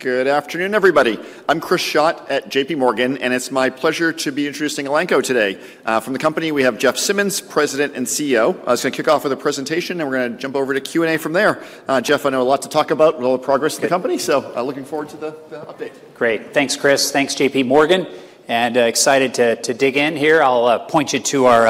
Good afternoon, everybody. I'm Chris Schott at J.P. Morgan, and it's my pleasure to be introducing Elanco today. From the company, we have Jeff Simmons, President and CEO. I was going to kick off with a presentation, and we're going to jump over to Q&A from there. Jeff, I know a lot to talk about with all the progress of the company, so looking forward to the update. Great. Thanks, Chris. Thanks, J.P. Morgan, and excited to dig in here. I'll point you to our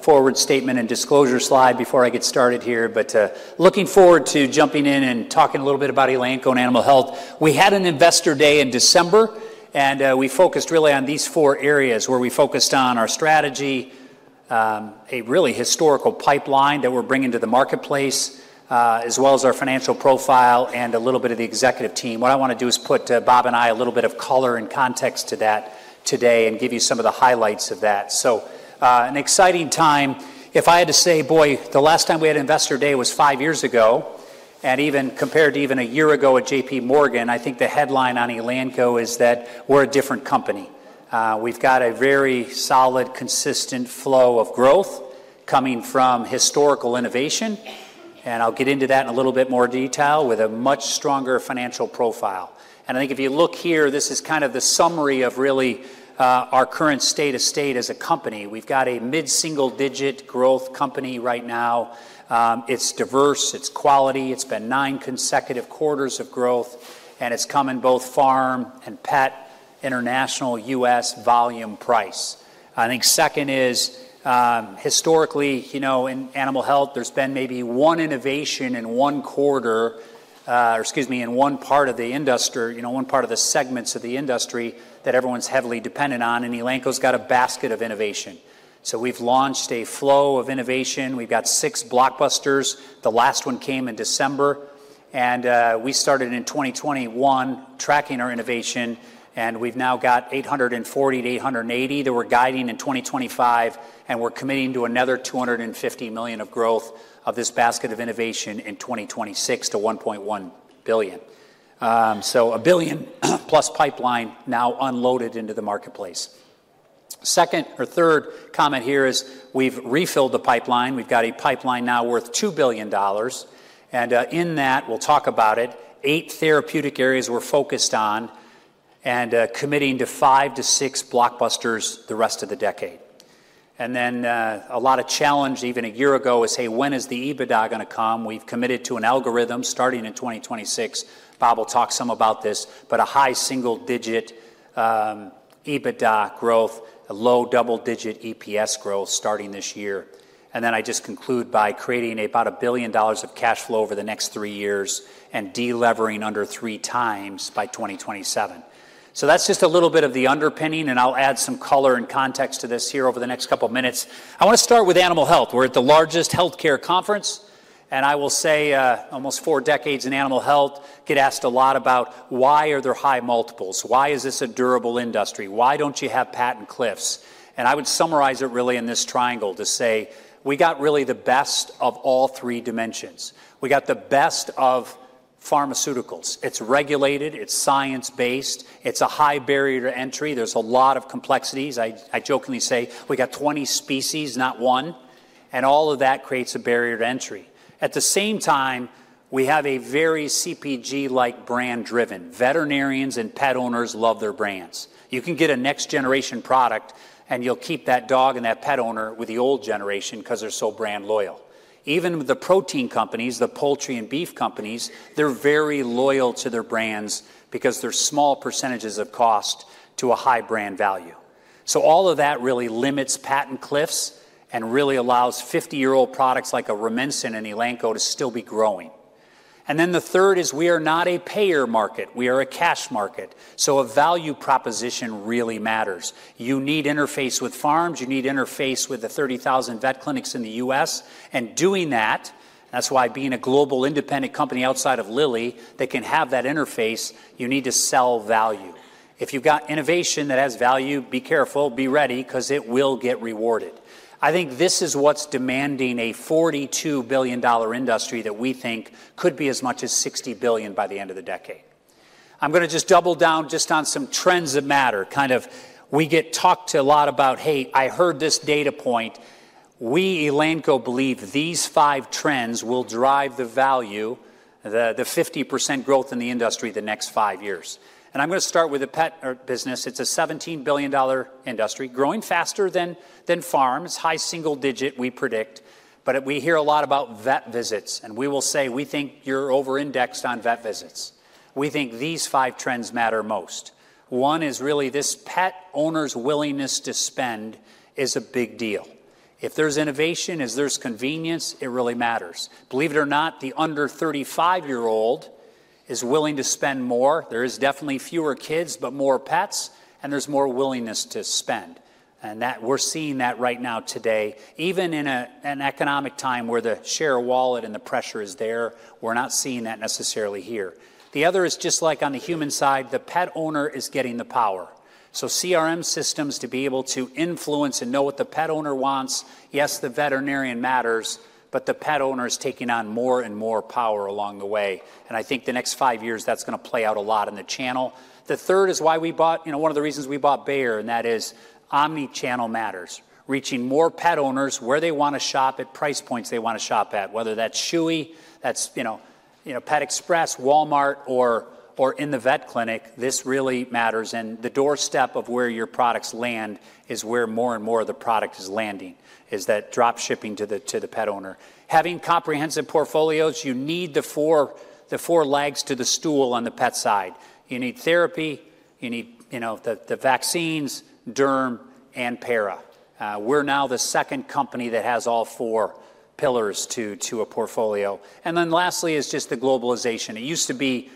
forward-looking statement and disclosure slide before I get started here, but looking forward to jumping in and talking a little bit about Elanco and animal health. We had an investor day in December, and we focused really on these four areas where we focused on our strategy, a really historical pipeline that we're bringing to the marketplace, as well as our financial profile and a little bit of the executive team. What I want to do is put Bob and I a little bit of color and context to that today and give you some of the highlights of that, so an exciting time. If I had to say, boy, the last time we had investor day was five years ago. Even compared to even a year ago at J.P. Morgan, I think the headline on Elanco is that we're a different company. We've got a very solid, consistent flow of growth coming from historical innovation. I'll get into that in a little bit more detail with a much stronger financial profile. I think if you look here, this is kind of the summary of really our current state of the state as a company. We've got a mid-single-digit growth company right now. It's diverse. It's quality. It's been nine consecutive quarters of growth. It's come in both farm and pet international U.S. volume price. I think second is, historically, in animal health, there's been maybe one innovation in one quarter, or excuse me, in one part of the industry, the segments of the industry that everyone's heavily dependent on. Elanco's got a basket of innovation. We've launched a flow of innovation. We've got six blockbusters. The last one came in December. We started in 2021 tracking our innovation. We've now got $840 million–$880 million that we're guiding in 2025. We're committing to another $250 million of growth of this basket of innovation in 2026 to $1.1 billion. A billion-plus pipeline now unloaded into the marketplace. Second or third comment here is we've refilled the pipeline. We've got a pipeline now worth $2 billion. In that, we'll talk about it, eight therapeutic areas we're focused on and committing to five to six blockbusters the rest of the decade. A lot of challenge, even a year ago, is, hey, when is the EBITDA going to come? We've committed to an algorithm starting in 2026. Bob will talk some about this, but a high single-digit EBITDA growth, a low double-digit EPS growth starting this year, and then I just conclude by creating about $1 billion of cash flow over the next three years and delevering under three times by 2027, so that's just a little bit of the underpinning, and I'll add some color and context to this here over the next couple of minutes. I want to start with animal health. We're at the largest healthcare conference, and I will say almost four decades in animal health get asked a lot about why are there high multiples? Why is this a durable industry? Why don't you have patent cliffs? And I would summarize it really in this triangle to say we got really the best of all three dimensions. We got the best of pharmaceuticals. It's regulated. It's science-based. It's a high barrier to entry. There's a lot of complexities. I jokingly say we got 20 species, not one. And all of that creates a barrier to entry. At the same time, we have a very CPG-like brand driven. Veterinarians and pet owners love their brands. You can get a next-generation product, and you'll keep that dog and that pet owner with the old generation because they're so brand loyal. Even the protein companies, the poultry and beef companies, they're very loyal to their brands because they're small percentages of cost to a high brand value. So all of that really limits patent cliffs and really allows 50-year-old products like Rumensin and Elanco to still be growing. And then the third is we are not a payer market. We are a cash market. So a value proposition really matters. You need interface with farms. You need to interface with the 30,000 vet clinics in the U.S., and doing that, that's why being a global independent company outside of Lilly, they can have that interface. You need to sell value. If you've got innovation that has value, be careful, be ready, because it will get rewarded. I think this is what's demanding a $42 billion industry that we think could be as much as $60 billion by the end of the decade. I'm going to just double down just on some trends that matter. Kind of, we get talked a lot about, hey, I heard this data point. We, Elanco, believe these five trends will drive the value, the 50% growth in the industry the next five years, and I'm going to start with the pet business. It's a $17 billion industry, growing faster than farms. High single digit, we predict. We hear a lot about vet visits. We will say we think you're over-indexed on vet visits. We think these five trends matter most. One is really this pet owner's willingness to spend is a big deal. If there's innovation, if there's convenience, it really matters. Believe it or not, the under 35-year-old is willing to spend more. There is definitely fewer kids, but more pets, and there's more willingness to spend. We're seeing that right now today. Even in an economic time where the share of wallet and the pressure is there, we're not seeing that necessarily here. The other is just like on the human side, the pet owner is getting the power. So CRM systems to be able to influence and know what the pet owner wants. Yes, the veterinarian matters, but the pet owner is taking on more and more power along the way, and I think the next five years, that's going to play out a lot in the channel. The third is why we bought, one of the reasons we bought Bayer, and that is omnichannel matters. Reaching more pet owners where they want to shop at price points they want to shop at, whether that's Chewy, that's Pet Express, Walmart, or in the vet clinic, this really matters, and the doorstep of where your products land is where more and more of the product is landing, is that drop shipping to the pet owner. Having comprehensive portfolios, you need the four legs to the stool on the pet side. You need therapy. You need the vaccines, derm, and para. We're now the second company that has all four pillars to a portfolio. And then lastly is just the globalization. It used to be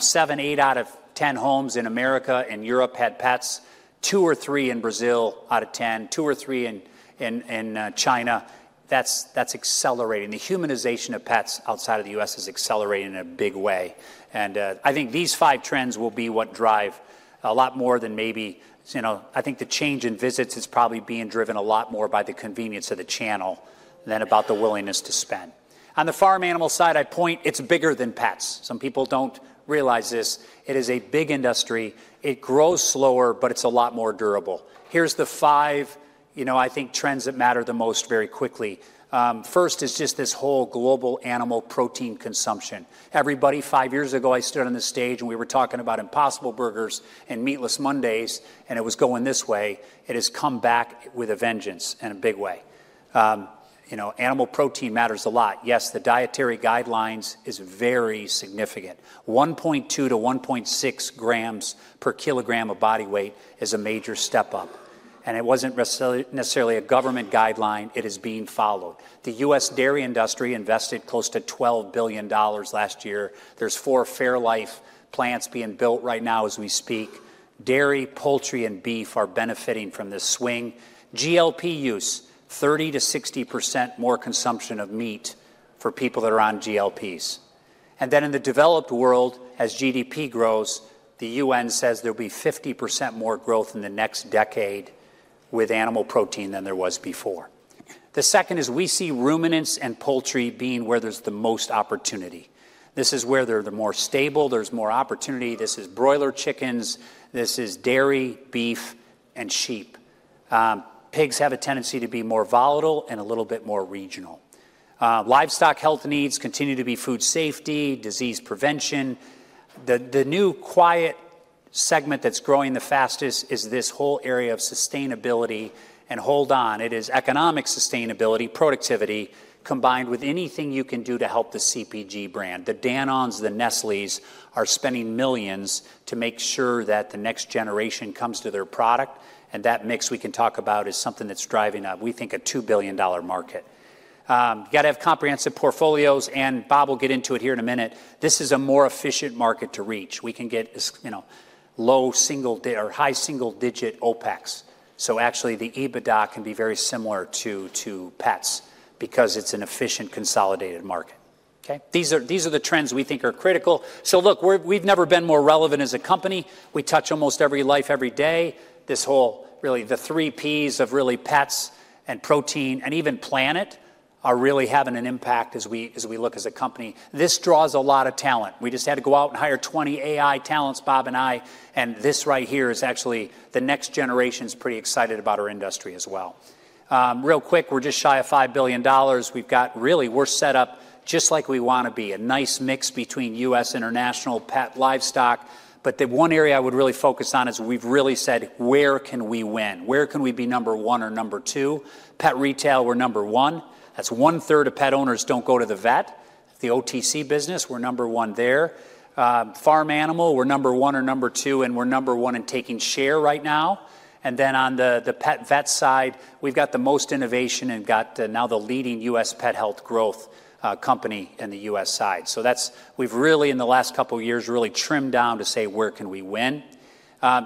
seven, eight out of ten homes in America and Europe had pets, two or three in Brazil out of ten, two or three in China. That's accelerating. The humanization of pets outside of the U.S. is accelerating in a big way. And I think these five trends will be what drive a lot more than maybe I think the change in visits is probably being driven a lot more by the convenience of the channel than about the willingness to spend. On the farm animal side, I point out it's bigger than pets. Some people don't realize this. It is a big industry. It grows slower, but it's a lot more durable. Here's the five, I think, trends that matter the most very quickly. First is just this whole global animal protein consumption. Everybody, five years ago, I stood on the stage and we were talking about Impossible Burgers and Meatless Mondays, and it was going this way. It has come back with a vengeance and a big way. Animal protein matters a lot. Yes, the dietary guidelines is very significant. 1.2-1.6 grams per kilogram of body weight is a major step up, and it wasn't necessarily a government guideline. It is being followed. The U.S. dairy industry invested close to $12 billion last year. There's four Fairlife plants being built right now as we speak. Dairy, poultry, and beef are benefiting from this swing. GLP use, 30%-60% more consumption of meat for people that are on GLPs, and then in the developed world, as GDP grows, the UN says there'll be 50% more growth in the next decade with animal protein than there was before. The second is we see ruminants and poultry being where there's the most opportunity. This is where they're the more stable. There's more opportunity. This is broiler chickens. This is dairy, beef, and sheep. Pigs have a tendency to be more volatile and a little bit more regional. Livestock health needs continue to be food safety, disease prevention. The new quiet segment that's growing the fastest is this whole area of sustainability. And hold on. It is economic sustainability, productivity, combined with anything you can do to help the CPG brand. The Danone, the Nestlé are spending millions to make sure that the next generation comes to their product. And that mix we can talk about is something that's driving up. We think a $2 billion market. You got to have comprehensive portfolios. And Bob will get into it here in a minute. This is a more efficient market to reach. We can get low single or high single-digit OpEx. So actually the EBITDA can be very similar to pets because it's an efficient consolidated market. Okay? These are the trends we think are critical. So look, we've never been more relevant as a company. We touch almost every life every day. This whole, really, the three P's of really pets and protein and even planet are really having an impact as we look as a company. This draws a lot of talent. We just had to go out and hire 20 AI talents, Bob and I. And this right here is actually the next generation is pretty excited about our industry as well. Real quick, we're just shy of $5 billion. We've got really, we're set up just like we want to be. A nice mix between U.S. international pet livestock. But the one area I would really focus on is we've really said, where can we win? Where can we be number one or number two? Pet retail, we're number one. That's one-third of pet owners don't go to the vet. The OTC business, we're number one there. Farm animal, we're number one or number two, and we're number one in taking share right now. And then on the pet vet side, we've got the most innovation and got now the leading U.S. pet health growth company in the U.S. side. So we've really, in the last couple of years, really trimmed down to say, where can we win?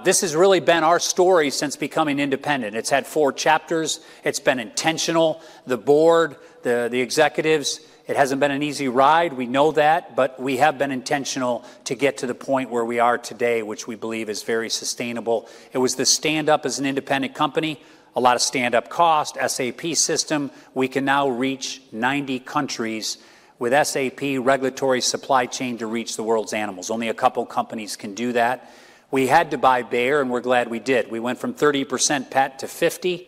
This has really been our story since becoming independent. It's had four chapters. It's been intentional. The board, the executives, it hasn't been an easy ride. We know that. But we have been intentional to get to the point where we are today, which we believe is very sustainable. It was the stand-up as an independent company. A lot of stand-up cost, SAP system. We can now reach 90 countries with SAP regulatory supply chain to reach the world's animals. Only a couple of companies can do that. We had to buy Bayer, and we're glad we did. We went from 30% pet to 50%.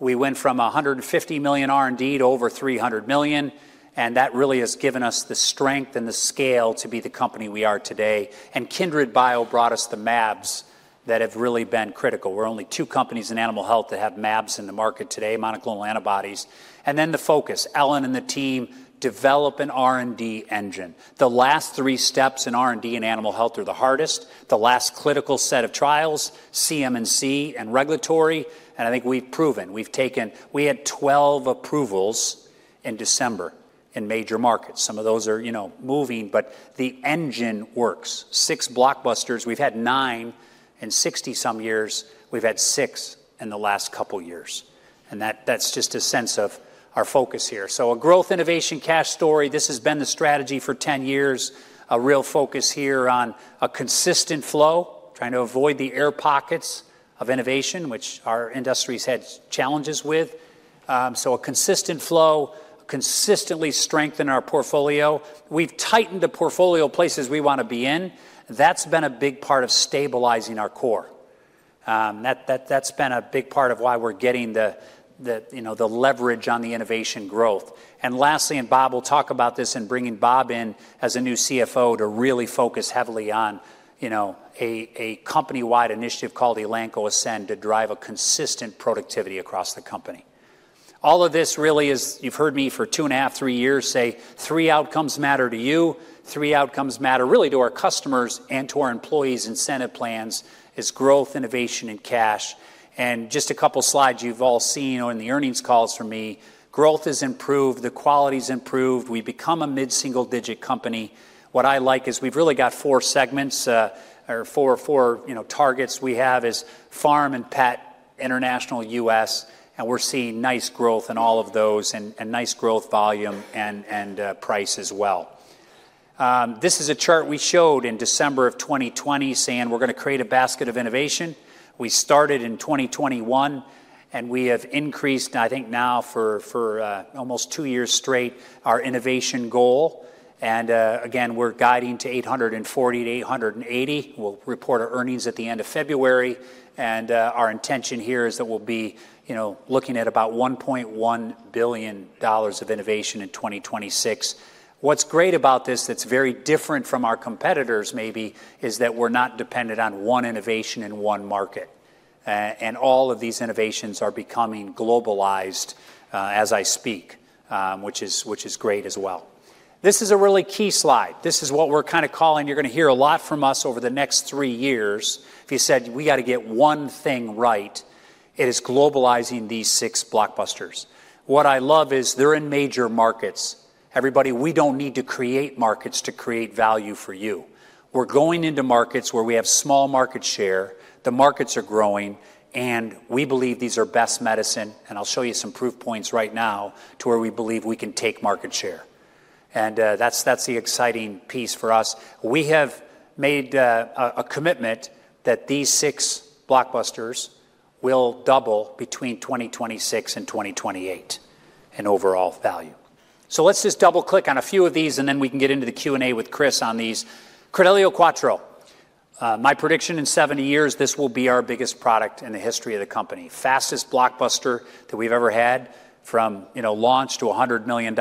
We went from $150 million R&D to over $300 million. And that really has given us the strength and the scale to be the company we are today. And Kindred Biosciences brought us the mABs that have really been critical. We're only two companies in animal health that have mABs in the market today, monoclonal antibodies. And then the focus, Ellen and the team develop an R&D engine. The last three steps in R&D in animal health are the hardest. The last critical set of trials, CMC and regulatory, and I think we've proven. We've taken, we had 12 approvals in December in major markets. Some of those are moving, but the engine works. Six blockbusters. We've had nine in 60-some years. We've had six in the last couple of years, and that's just a sense of our focus here, so a growth innovation cash story. This has been the strategy for 10 years. A real focus here on a consistent flow, trying to avoid the air pockets of innovation, which our industries had challenges with, so a consistent flow, consistently strengthen our portfolio, we've tightened the portfolio places we want to be in. That's been a big part of stabilizing our core. That's been a big part of why we're getting the leverage on the innovation growth. And lastly, Bob will talk about this and bringing Bob in as a new CFO to really focus heavily on a company-wide initiative called Elanco Ascend to drive a consistent productivity across the company. All of this really is. You've heard me for two and a half, three years say three outcomes matter to you. Three outcomes matter really to our customers and to our employees' incentive plans: growth, innovation, and cash. And just a couple of slides you've all seen on the earnings calls from me. Growth has improved. The quality has improved. We've become a mid-single-digit company. What I like is we've really got four segments or four targets we have: farm and pet, international, U.S. And we're seeing nice growth in all of those and nice growth, volume and price, as well. This is a chart we showed in December of 2020 saying we're going to create a basket of innovation. We started in 2021, and we have increased, I think now for almost two years straight, our innovation goal. And again, we're guiding to 840-880. We'll report our earnings at the end of February. And our intention here is that we'll be looking at about $1.1 billion of innovation in 2026. What's great about this that's very different from our competitors maybe is that we're not dependent on one innovation in one market. And all of these innovations are becoming globalized as I speak, which is great as well. This is a really key slide. This is what we're kind of calling, you're going to hear a lot from us over the next three years. If you said we got to get one thing right, it is globalizing these six blockbusters. What I love is they're in major markets. Everybody, we don't need to create markets to create value for you. We're going into markets where we have small market share. The markets are growing, and we believe these are best medicine, and I'll show you some proof points right now to where we believe we can take market share, and that's the exciting piece for us. We have made a commitment that these six blockbusters will double between 2026 and 2028 in overall value, so let's just double-click on a few of these, and then we can get into the Q&A with Chris on these. Credelio Quattro, my prediction in 70 years, this will be our biggest product in the history of the company. Fastest blockbuster that we've ever had from launch to $100 million.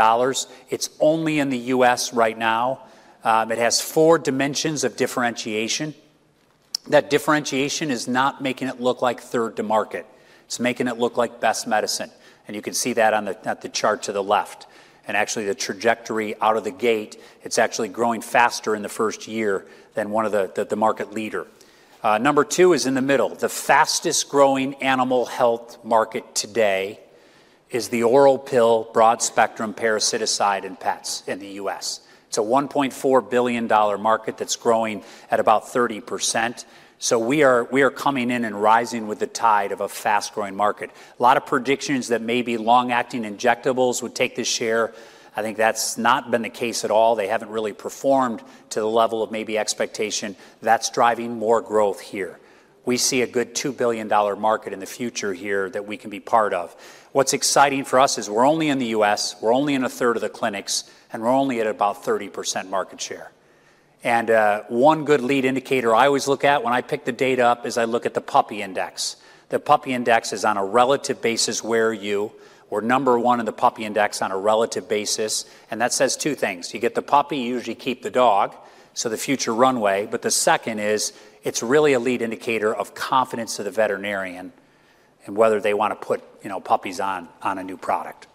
It's only in the U.S. right now. It has four dimensions of differentiation. That differentiation is not making it look like third to market. It's making it look like best medicine. And you can see that on the chart to the left. And actually the trajectory out of the gate, it's actually growing faster in the first year than one of the market leaders. Number two is in the middle. The fastest growing animal health market today is the oral pill broad-spectrum parasiticide in pets in the U.S. It's a $1.4 billion market that's growing at about 30%. So we are coming in and rising with the tide of a fast-growing market. A lot of predictions that maybe long-acting injectables would take the share. I think that's not been the case at all. They haven't really performed to the level of maybe expectation. That's driving more growth here. We see a good $2 billion market in the future here that we can be part of. What's exciting for us is we're only in the U.S. We're only in a third of the clinics, and we're only at about 30% market share. And one good lead indicator I always look at when I pick the data up is I look at the Puppy Index. The Puppy Index is on a relative basis where you were number one in the Puppy Index on a relative basis. And that says two things. You get the puppy, you usually keep the dog, so the future runway. But the second is it's really a lead indicator of confidence of the veterinarian and whether they want to put puppies on a new product.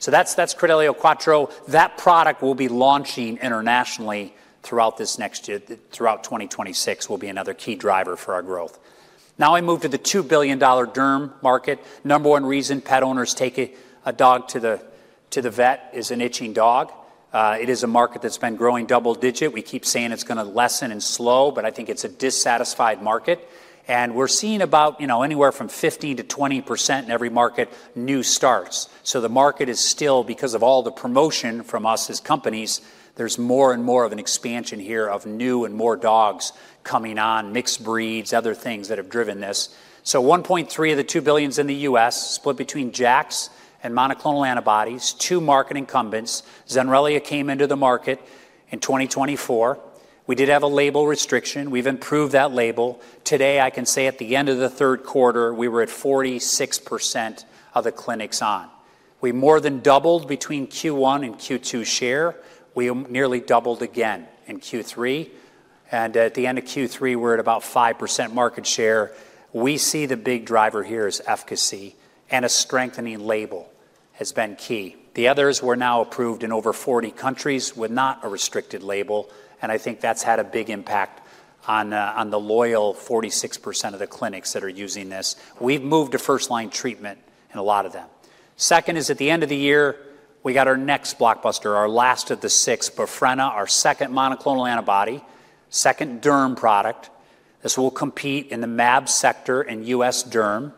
So that's Credelio Quattro. That product will be launching internationally throughout this next year. Throughout 2026 will be another key driver for our growth. Now I move to the $2 billion derm market. Number one reason pet owners take a dog to the vet is an itching dog. It is a market that's been growing double-digit. We keep saying it's going to lessen and slow, but I think it's a dissatisfied market. And we're seeing about anywhere from 15%–20% in every market new starts. So the market is still, because of all the promotion from us as companies, there's more and more of an expansion here of new and more dogs coming on, mixed breeds, other things that have driven this. So $1.3 billion of the $2 billion is in the U.S., split between JAKs and monoclonal antibodies, two market incumbents. Zenrelia came into the market in 2024. We did have a label restriction. We've improved that label. Today, I can say at the end of the third quarter, we were at 46% of the clinics on. We more than doubled between Q1 and Q2 share. We nearly doubled again in Q3. And at the end of Q3, we're at about 5% market share. We see the big driver here is efficacy, and a strengthening label has been key. The others were now approved in over 40 countries with not a restricted label. And I think that's had a big impact on the loyal 46% of the clinics that are using this. We've moved to first-line treatment in a lot of them. Second is at the end of the year, we got our next blockbuster, our last of the six, Bafrenna, our second monoclonal antibody, second derm product. This will compete in the mAb sector and U.S. derm.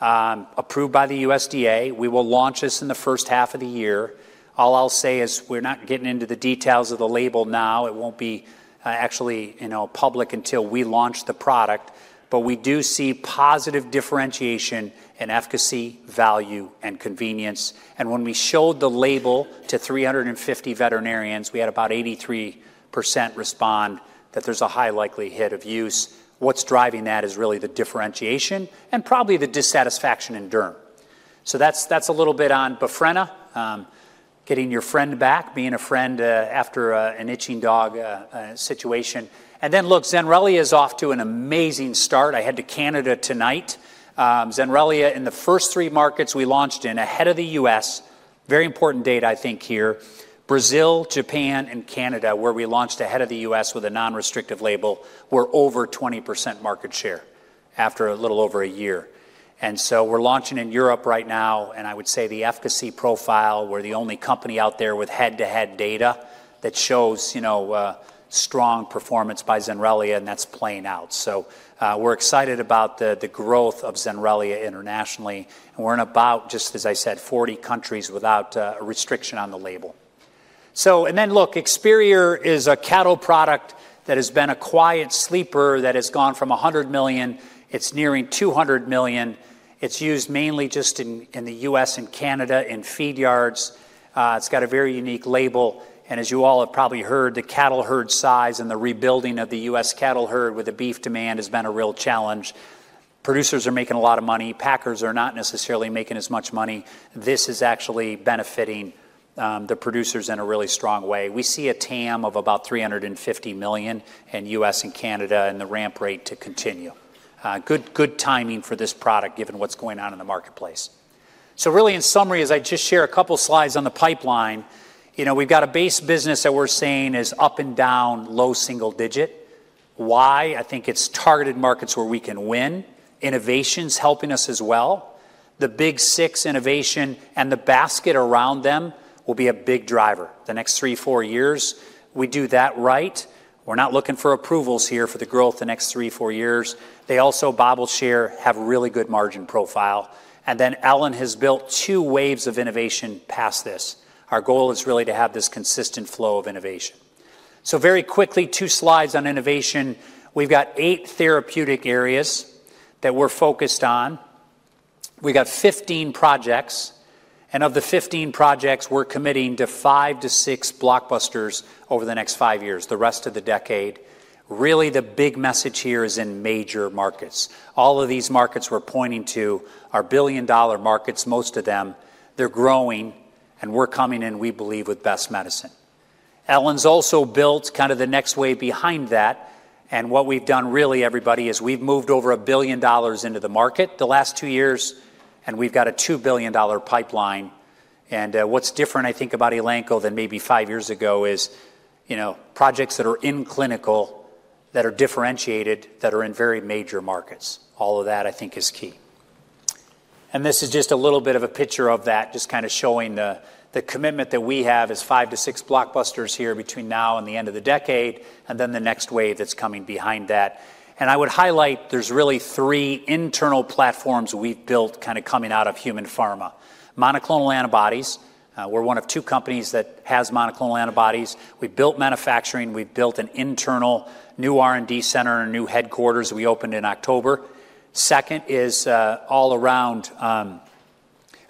Approved by the USDA. We will launch this in the first half of the year. All I'll say is we're not getting into the details of the label now. It won't be actually public until we launch the product. But we do see positive differentiation in efficacy, value, and convenience. And when we showed the label to 350 veterinarians, we had about 83% respond that there's a high likelihood of use. What's driving that is really the differentiation and probably the dissatisfaction in derm. So that's a little bit on Bafrenna, getting your friend back, being a friend after an itching dog situation. And then look, Zenrelia is off to an amazing start. I head to Canada tonight. Zenrelia in the first three markets we launched in ahead of the U.S., very important, I think, here, Brazil, Japan, and Canada, where we launched ahead of the U.S. with a non-restrictive label, we're over 20% market share after a little over a year. We're launching in Europe right now. I would say the efficacy profile, we're the only company out there with head-to-head data that shows strong performance by Zenrelia, and that's playing out. We're excited about the growth of Zenrelia internationally. We're in about, just as I said, 40 countries without a restriction on the label. Experior is a cattle product that has been a quiet sleeper that has gone from $100 million. It's nearing $200 million. It's used mainly just in the U.S. and Canada in feed yards. It's got a very unique label. The cattle herd size and the rebuilding of the U.S. cattle herd with the beef demand has been a real challenge. Producers are making a lot of money. Packers are not necessarily making as much money. This is actually benefiting the producers in a really strong way. We see a TAM of about $350 million in U.S. and Canada and the ramp rate to continue. Good timing for this product given what's going on in the marketplace. So really, in summary, as I just share a couple of slides on the pipeline, we've got a base business that we're saying is up and down, low single digit. Why? I think it's targeted markets where we can win. Innovation's helping us as well. The big six innovation and the basket around them will be a big driver the next three, four years. We do that right. We're not looking for approvals here for the growth the next three, four years. They also, Bob will share, have a really good margin profile. And then Ellen has built two waves of innovation past this. Our goal is really to have this consistent flow of innovation. So very quickly, two slides on innovation. We've got eight therapeutic areas that we're focused on. We've got 15 projects. And of the 15 projects, we're committing to five to six blockbusters over the next five years, the rest of the decade. Really, the big message here is in major markets. All of these markets we're pointing to are billion-dollar markets, most of them. They're growing, and we're coming in, we believe, with best medicine. Ellen's also built kind of the next wave behind that. And what we've done really, everybody, is we've moved over $1 billion into the market the last two years, and we've got a $2 billion pipeline. What's different, I think, about Elanco than maybe five years ago is projects that are in clinical that are differentiated, that are in very major markets. All of that, I think, is key. This is just a little bit of a picture of that, just kind of showing the commitment that we have is five-to-six blockbusters here between now and the end of the decade, and then the next wave that's coming behind that. I would highlight there's really three internal platforms we've built kind of coming out of human pharma. Monoclonal antibodies, we're one of two companies that has monoclonal antibodies. We built manufacturing. We've built an internal new R&D center and a new headquarters we opened in October. Second is all around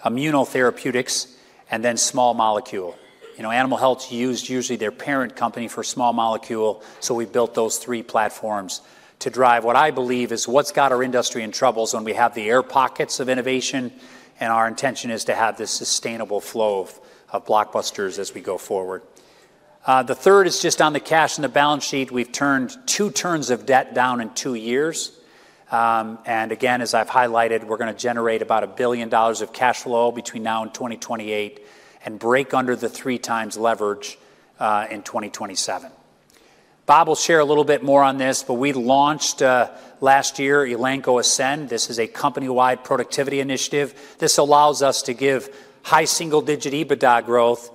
immunotherapeutics and then small molecule. Animal Health used usually their parent company for small molecule, so we built those three platforms to drive what I believe is what's got our industry in troubles when we have the air pockets of innovation. Our intention is to have this sustainable flow of blockbusters as we go forward. The third is just on the cash and the balance sheet. We've turned two turns of debt down in two years. Again, as I've highlighted, we're going to generate about $1 billion of cash flow between now and 2028 and break under the three times leverage in 2027. Bob will share a little bit more on this, but we launched last year Elanco Ascend. This is a company-wide productivity initiative. This allows us to give high single-digit EBITDA growth,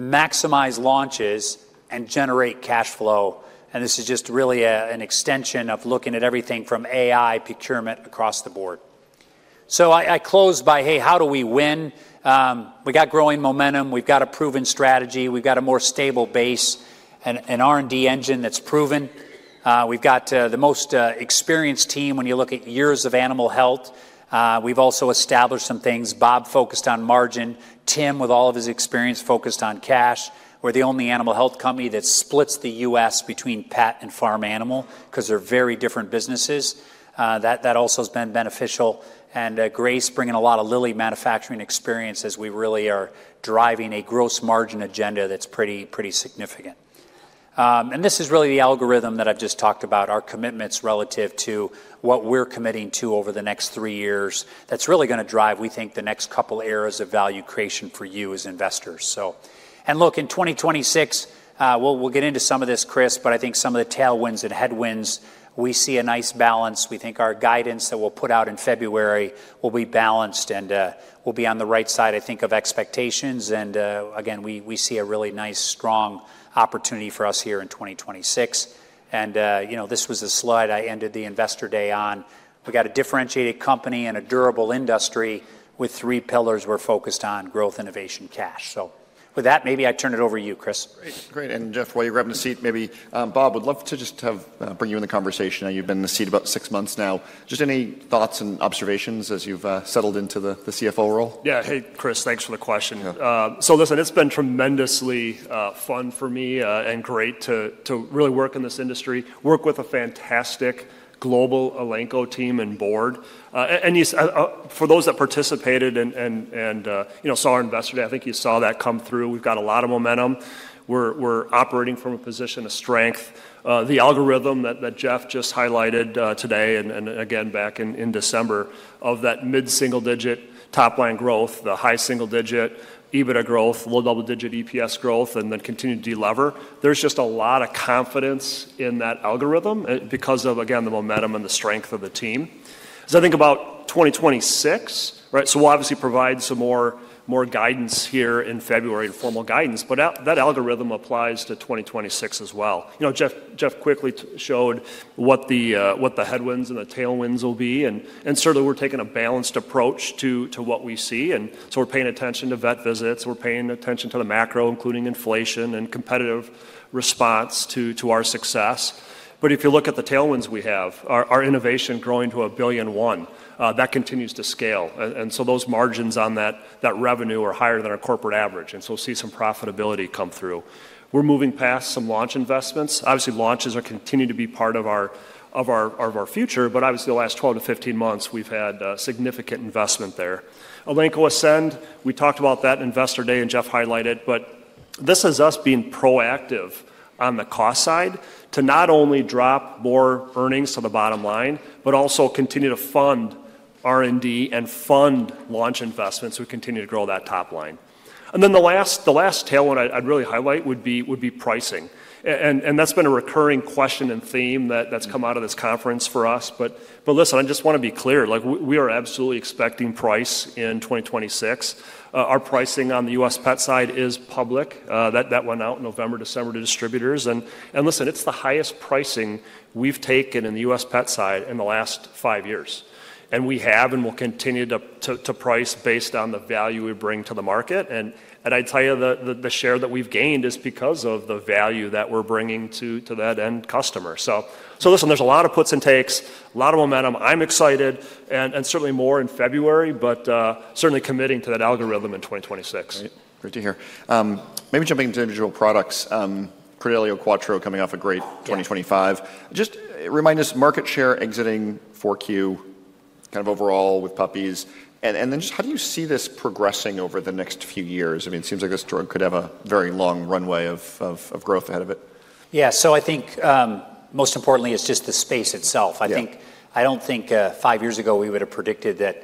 maximize launches, and generate cash flow. This is just really an extension of looking at everything from AI procurement across the board. So I close by, hey, how do we win? We got growing momentum. We've got a proven strategy. We've got a more stable base and R&D engine that's proven. We've got the most experienced team when you look at years of animal health. We've also established some things. Bob focused on margin. Tim, with all of his experience, focused on cash. We're the only animal health company that splits the U.S. between pet and farm animal because they're very different businesses. That also has been beneficial. Grace bringing a lot of lean manufacturing experience as we really are driving a gross margin agenda that's pretty significant. And this is really the algorithm that I've just talked about, our commitments relative to what we're committing to over the next three years that's really going to drive, we think, the next couple of eras of value creation for you as investors, and look, in 2026, we'll get into some of this, Chris, but I think some of the tailwinds and headwinds, we see a nice balance. We think our guidance that we'll put out in February will be balanced and will be on the right side, I think, of expectations, and again, we see a really nice, strong opportunity for us here in 2026, and this was the slide I ended the investor day on. We've got a differentiated company and a durable industry with three pillars we're focused on: growth, innovation, cash, so with that, maybe I turn it over to you, Chris. Great. And Jeff, while you're grabbing the seat, maybe Bob would love to just bring you in the conversation. You've been in the seat about six months now. Just any thoughts and observations as you've settled into the CFO role? Yeah. Hey, Chris, thanks for the question. So listen, it's been tremendously fun for me and great to really work in this industry, work with a fantastic global Elanco team and board. And for those that participated and saw our investor day, I think you saw that come through. We've got a lot of momentum. We're operating from a position of strength. The algorithm that Jeff just highlighted today and again back in December of that mid-single-digit top-line growth, the high single-digit EBITDA growth, low double-digit EPS growth, and then continued delever. There's just a lot of confidence in that algorithm because of, again, the momentum and the strength of the team, so I think about 2026, right? We'll obviously provide some more guidance here in February and formal guidance, but that algorithm applies to 2026 as well. Jeff quickly showed what the headwinds and the tailwinds will be, and certainly, we're taking a balanced approach to what we see, and so we're paying attention to vet visits. We're paying attention to the macro, including inflation and competitive response to our success, but if you look at the tailwinds we have, our innovation growing to $1.1 billion, that continues to scale, and so those margins on that revenue are higher than our corporate average, and so we'll see some profitability come through. We're moving past some launch investments. Obviously, launches continue to be part of our future, but obviously, the last 12-15 months, we've had significant investment there. Elanco Ascend, we talked about that investor day and Jeff highlighted, but this is us being proactive on the cost side to not only drop more earnings to the bottom line, but also continue to fund R&D and fund launch investments to continue to grow that top line. And then the last tailwind I'd really highlight would be pricing. And that's been a recurring question and theme that's come out of this conference for us. But listen, I just want to be clear. We are absolutely expecting price in 2026. Our pricing on the U.S. pet side is public. That went out in November, December to distributors. And listen, it's the highest pricing we've taken in the U.S. pet side in the last five years. And we have and will continue to price based on the value we bring to the market. And I'd tell you the share that we've gained is because of the value that we're bringing to that end customer. So listen, there's a lot of puts and takes, a lot of momentum. I'm excited and certainly more in February, but certainly committing to that algorithm in 2026. Great to hear. Maybe jumping into individual products, Credelio Quattro coming off a great 2025. Just remind us, market share exiting 4Q, kind of overall with puppies. And then just how do you see this progressing over the next few years? I mean, it seems like this drug could have a very long runway of growth ahead of it. Yeah. So I think most importantly, it's just the space itself. I don't think five years ago we would have predicted that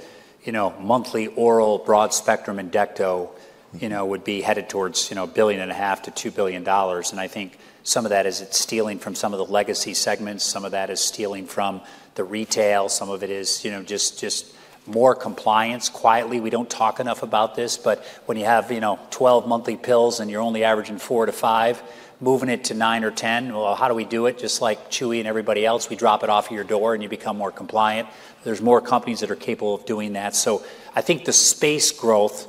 monthly oral broad spectrum endecto would be headed towards $1.5 billion-$2 billion, and I think some of that is stealing from some of the legacy segments. Some of that is stealing from the retail. Some of it is just more compliance. Quietly, we don't talk enough about this, but when you have 12 monthly pills and you're only averaging four to five, moving it to nine or ten, well, how do we do it? Just like Chewy and everybody else, we drop it off at your door and you become more compliant. There's more companies that are capable of doing that. So I think the space growth,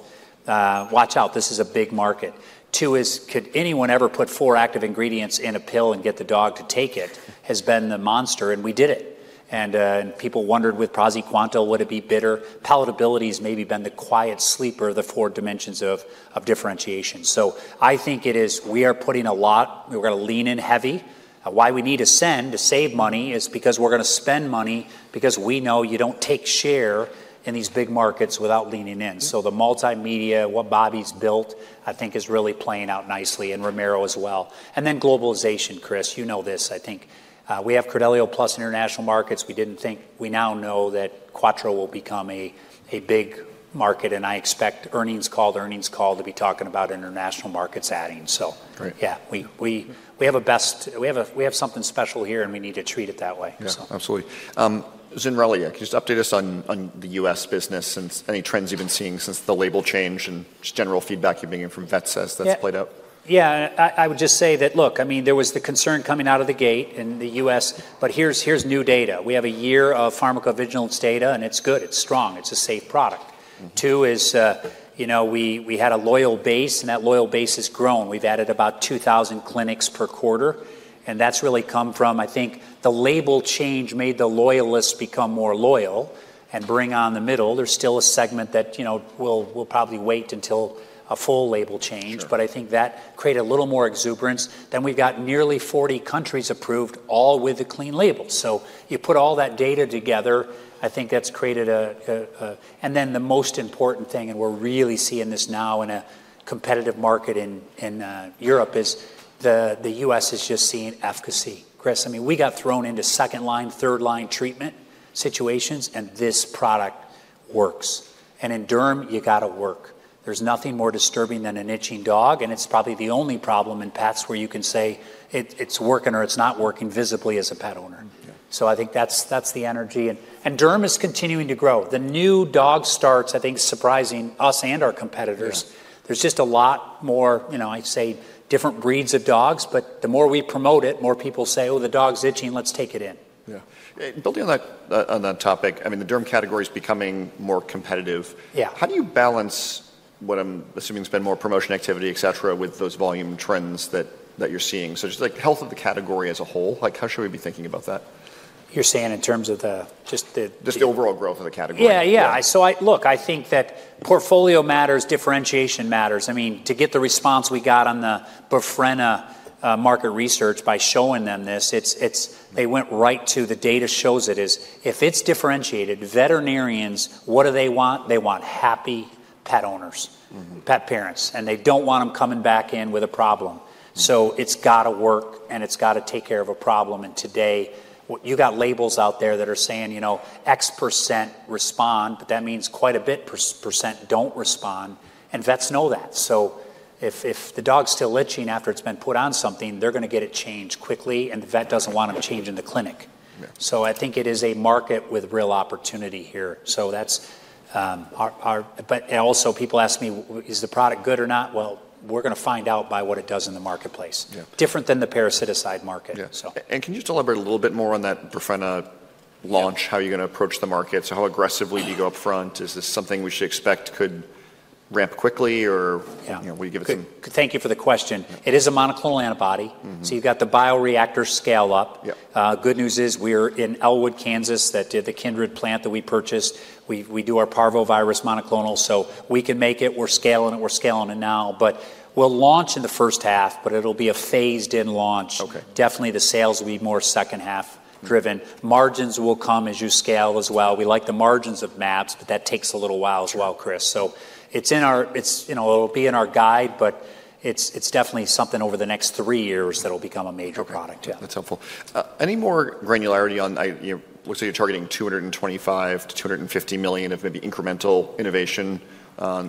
watch out, this is a big market. Two is, could anyone ever put four active ingredients in a pill and get the dog to take it? Has been the monster, and we did it, and people wondered with Praziquantel, would it be bitter? Palatability has maybe been the quiet sleeper of the four dimensions of differentiation, so I think it is we are putting a lot. We're going to lean in heavy. Why we need Ascend to save money is because we're going to spend money because we know you don't take share in these big markets without leaning in, so the multimedia, what Bobby's built, I think is really playing out nicely in derm as well, and then globalization, Chris, you know this. I think we have Credelio, plus international markets. We didn't think, we now know that Quattro will become a big market, and I expect earnings call, the earnings call to be talking about international markets adding. So yeah, we have a best, we have something special here, and we need to treat it that way. Absolutely. Zenrelia, yeah, can you just update us on the U.S. business and any trends you've been seeing since the label change and just general feedback you've been getting from vets as that's played out? Yeah. I would just say that, look, I mean, there was the concern coming out of the gate in the U.S., but here's new data. We have a year of pharmacovigilance data, and it's good. It's strong. It's a safe product. Two is we had a loyal base, and that loyal base has grown. We've added about 2,000 clinics per quarter. And that's really come from, I think, the label change made the loyalists become more loyal and bring on the middle. There's still a segment that will probably wait until a full label change, but I think that created a little more exuberance. Then we've got nearly 40 countries approved all with a clean label. So you put all that data together, I think that's created a, and then the most important thing, and we're really seeing this now in a competitive market in Europe, is the U.S. is just seeing efficacy. Chris, I mean, we got thrown into second-line, third-line treatment situations, and this product works. And in derm, you got to work. There's nothing more disturbing than an itching dog, and it's probably the only problem in pets where you can say it's working or it's not working visibly as a pet owner. So I think that's the energy. And derm is continuing to grow. The new dog starts, I think, surprising us and our competitors. There's just a lot more, I'd say, different breeds of dogs, but the more we promote it, more people say, "Oh, the dog's itching. Let's take it in." Yeah. Building on that topic, I mean, the derm category is becoming more competitive. How do you balance what I'm assuming has been more promotion activity, etc., with those volume trends that you're seeing? So just like health of the category as a whole, how should we be thinking about that? You're saying in terms of Just the overall growth of the category? Yeah. Yeah. So look, I think that portfolio matters, differentiation matters. I mean, to get the response we got on the Bafrena market research by showing them this, they went right to the data. It shows it is if it's differentiated. Veterinarians, what do they want? They want happy pet owners, pet parents, and they don't want them coming back in with a problem, so it's got to work, and it's got to take care of a problem, and today, you got labels out there that are saying X% respond, but that means quite a bit % don't respond, and vets know that, so if the dog's still itching after it's been put on something, they're going to get it changed quickly, and the vet doesn't want them changed in the clinic, so I think it is a market with real opportunity here, but also people ask me, "Is the product good or not?" well, we're going to find out by what it does in the marketplace, different than the parasiticide market. And can you just elaborate a little bit more on that Zenrelia launch, how you're going to approach the market? So how aggressively do you go upfront? Is this something we should expect could ramp quickly, or will you give us a Thank you for the question. It is a monoclonal antibody. So you've got the bioreactor scale up. Good news is we're in Elwood, Kansas, that did the Kindred plant that we purchased. We do our parvovirus monoclonal, so we can make it. We're scaling it. We're scaling it now. But we'll launch in the first half, but it'll be a phased-in launch. Definitely the sales will be more second-half driven. Margins will come as you scale as well. We like the margins of mAbs, but that takes a little while as well, Chris. So it'll be in our guide, but it's definitely something over the next three years that will become a major product. Yeah. That's helpful. Any more granularity on it? It looks like you're targeting $225 million-$250 million of maybe incremental innovation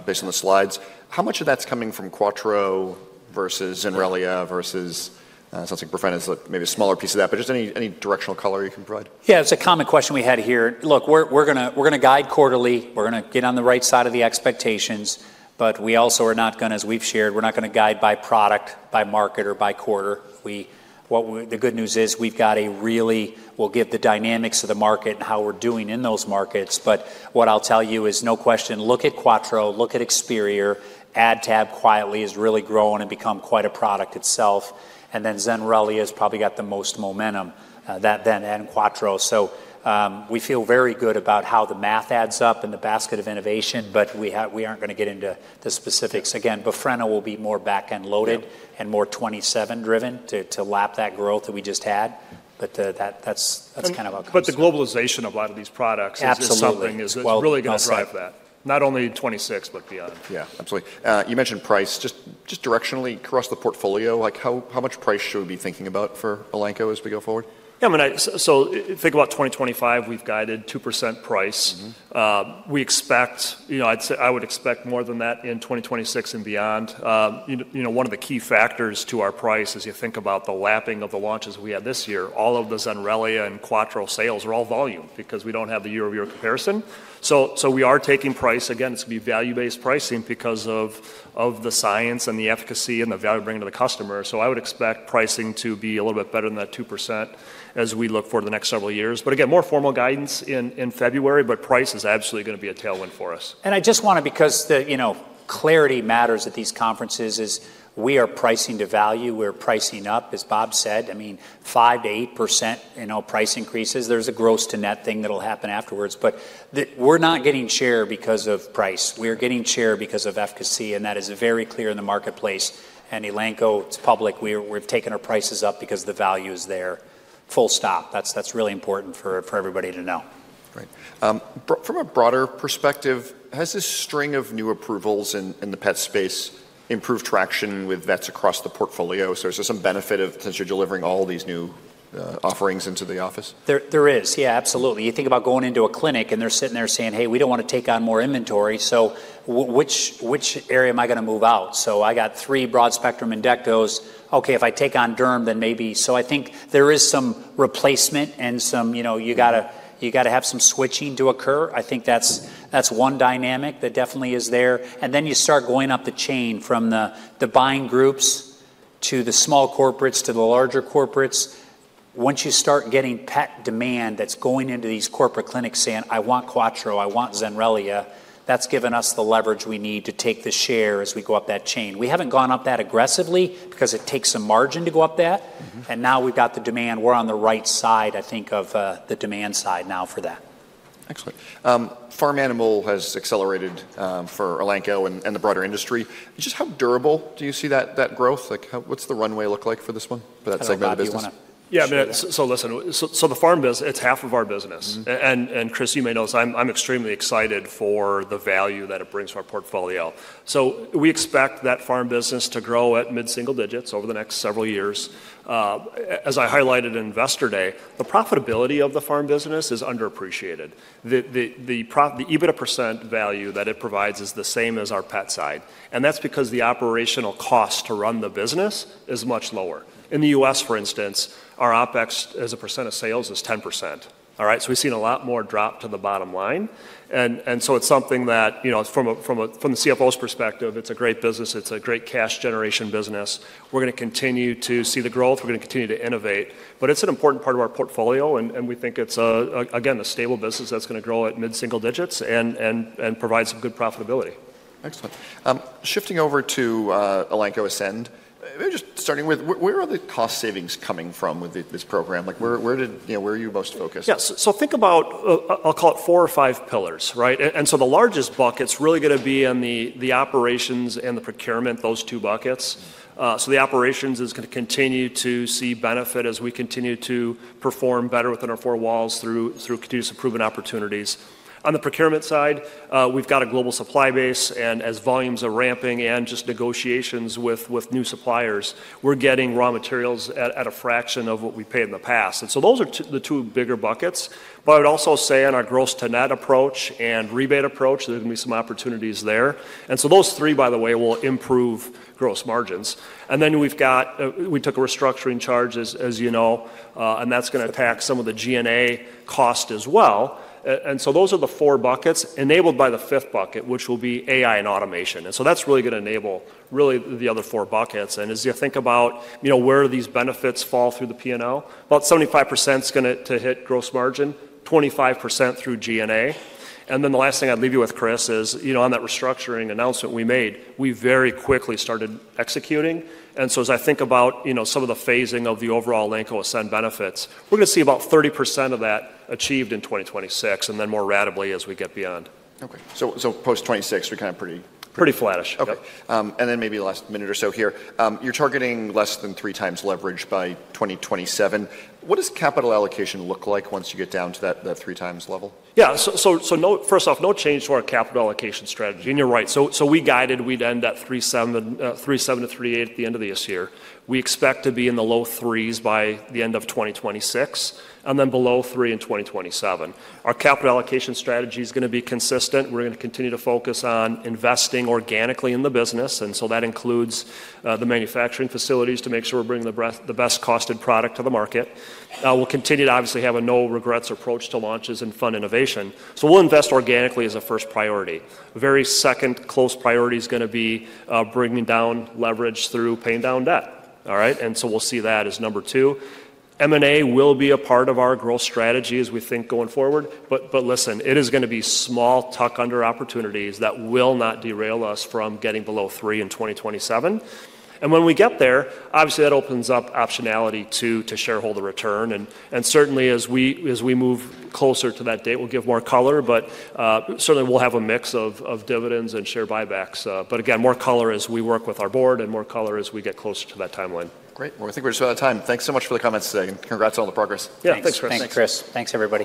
based on the slides. How much of that's coming from Quattro versus Zenrelia versus sounds like Bovaer is maybe a smaller piece of that, but just any directional color you can provide? Yeah. It's a common question we had here. Look, we're going to guide quarterly. We're going to get on the right side of the expectations, but we also are not going to, as we've shared, we're not going to guide by product, by market, or by quarter. The good news is we've got a really we'll get the dynamics of the market and how we're doing in those markets. But what I'll tell you is no question, look at Quattro, look at Experior. AdTab quietly has really grown and become quite a product itself. And then Zenrelia has probably got the most momentum, then AdTab and Quattro. So we feel very good about how the math adds up in the basket of innovation, but we aren't going to get into the specifics. Again, Bovaer will be more back-end loaded and more 2027-driven to lap that growth that we just had. But that's kind of our concern. But the globalization of a lot of these products is just something that's really going to drive that, not only in 2026, but beyond. Yeah. Absolutely. You mentioned price. Just directionally, across the portfolio, how much price should we be thinking about for Elanco as we go forward? Yeah. So think about 2025. We've guided 2% price. We expect, I would expect more than that in 2026 and beyond. One of the key factors to our price is you think about the lapping of the launches we had this year. All of the Zenrelia and Quattro sales are all volume because we don't have the year-over-year comparison. So we are taking price. Again, it's going to be value-based pricing because of the science and the efficacy and the value we're bringing to the customer. So I would expect pricing to be a little bit better than that 2% as we look forward to the next several years. But again, more formal guidance in February, but price is absolutely going to be a tailwind for us. And I just want to, because clarity matters at these conferences, is we are pricing to value. We're pricing up, as Bob said. I mean, 5%–8% price increases. There's a gross-to-net thing that'll happen afterwards, but we're not getting share because of price. We're getting share because of efficacy, and that is very clear in the marketplace. And Elanco, it's public. We're taking our prices up because the value is there. Full stop. That's really important for everybody to know. Right. From a broader perspective, has this string of new approvals in the pet space improved traction with vets across the portfolio? So is there some benefit of, since you're delivering all these new offerings into the office? There is. Yeah, absolutely. You think about going into a clinic and they're sitting there saying, "Hey, we don't want to take on more inventory. So which area am I going to move out?" So I got three broad spectrum and Dectos. Okay, if I take on derm, then maybe. So I think there is some replacement and you got to have some switching to occur. I think that's one dynamic that definitely is there. And then you start going up the chain from the buying groups to the small corporates to the larger corporates. Once you start getting pet demand that's going into these corporate clinics saying, "I want Quattro. I want Zenrelia," that's given us the leverage we need to take the share as we go up that chain. We haven't gone up that aggressively because it takes some margin to go up that. And now we've got the demand. We're on the right side, I think, of the demand side now for that. Excellent. Farm animal has accelerated for Elanco and the broader industry. Just how durable do you see that growth? What's the runway look like for this one? For that segment of business? Yeah. So listen, so the farm business, it's half of our business. And Chris, you may know this. I'm extremely excited for the value that it brings to our portfolio. So we expect that farm business to grow at mid-single digits over the next several years. As I highlighted on Investor Day, the profitability of the farm business is underappreciated. The EBITDA % value that it provides is the same as our pet side. And that's because the operational cost to run the business is much lower. In the U.S., for instance, our OpEx as a % of sales is 10%. All right? So we've seen a lot more drop to the bottom line. And so it's something that from the CFO's perspective, it's a great business. It's a great cash generation business. We're going to continue to see the growth. We're going to continue to innovate. But it's an important part of our portfolio, and we think it's, again, a stable business that's going to grow at mid-single digits and provide some good profitability. Excellent. Shifting over to Elanco Ascend, maybe just starting with, where are the cost savings coming from with this program? Where are you most focused? Yeah. So think about, I'll call it four or five pillars, right? And so the largest bucket's really going to be in the operations and the procurement, those two buckets. So the operations is going to continue to see benefit as we continue to perform better within our four walls through continuous improvement opportunities. On the procurement side, we've got a global supply base, and as volumes are ramping and just negotiations with new suppliers, we're getting raw materials at a fraction of what we paid in the past. And so those are the two bigger buckets. But I would also say in our gross-to-net approach and rebate approach, there's going to be some opportunities there. And so those three, by the way, will improve gross margins. And then we took a restructuring charge, as you know, and that's going to attack some of the G&A cost as well. And so those are the four buckets enabled by the fifth bucket, which will be AI and automation. And so that's really going to enable really the other four buckets. And as you think about where these benefits fall through the P&O, about 75% is going to hit gross margin, 25% through G&A. And then the last thing I'd leave you with, Chris, is on that restructuring announcement we made, we very quickly started executing. As I think about some of the phasing of the overall Elanco Ascend benefits, we're going to see about 30% of that achieved in 2026, and then more radically as we get beyond. Okay. So post 2026, we're kind of pretty flat. Pretty flattish. Okay. And then maybe last minute or so here, you're targeting less than three times leverage by 2027. What does capital allocation look like once you get down to that three times level? Yeah. So first off, no change to our capital allocation strategy. And you're right. So we guided, we'd end at 3.7-3.8 at the end of this year. We expect to be in the low threes by the end of 2026, and then below three in 2027. Our capital allocation strategy is going to be consistent. We're going to continue to focus on investing organically in the business. And so that includes the manufacturing facilities to make sure we're bringing the best costed product to the market. We'll continue to obviously have a no regrets approach to launches and fund innovation. So we'll invest organically as a first priority. Very second close priority is going to be bringing down leverage through paying down debt. All right? And so we'll see that as number two. M&A will be a part of our growth strategy as we think going forward. But listen, it is going to be small, tuck-under opportunities that will not derail us from getting below three in 2027. And when we get there, obviously that opens up optionality to shareholder return. And certainly as we move closer to that date, we'll give more color, but certainly we'll have a mix of dividends and share buybacks. But again, more color as we work with our board and more color as we get closer to that timeline. Great. Well, I think we're just about out of time. Thanks so much for the comments today. And congrats on the progress. Yeah. Thanks, Chris. Thanks, Chris. Thanks everybody.